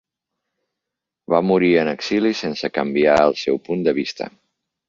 Va morir en exili sense canviar el seu punt de vista.